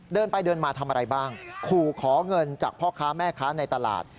เดินไปเดินมาทำอะไรบ้างขู่ขอเงินจากพ่อค้าแม่ค้าในตลาด